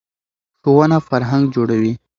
ښوونه فرهنګ جوړوي.